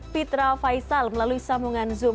fitra faisal melalui sambungan zoom